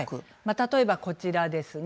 例えばこちらですね